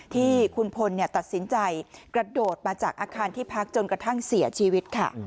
ที่คุณพลตัดสินใจกระโดดมาจากอาคารที่พักจนกระทั่งเสียชีวิตค่ะ